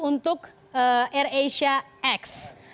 untuk air asia x